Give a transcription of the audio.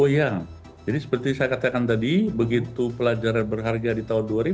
oh iya jadi seperti saya katakan tadi begitu pelajaran berharga di tahun dua ribu